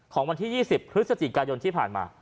ของวันที่๒๐พฤศจิกายนที่ผ่านมา